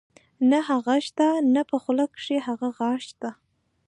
نۀ هغه شته نۀ پۀ خولۀ کښې هغه غاخ شته